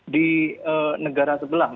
di negara sebelumnya